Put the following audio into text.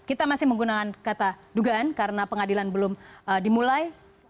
kita masih menggunakan kata dugaan karena pengadilan belum dimulai